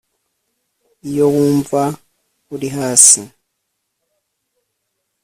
iyo wumva uri hasi